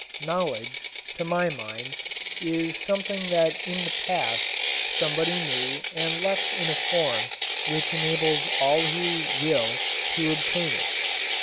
Knowledge, to my mind, is something that in the past somebody knew and left in a form which enables all who will to obtain it.